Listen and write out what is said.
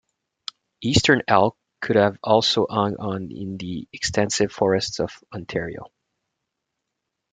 Eastern elk could have also hung on in the extensive forests of Ontario.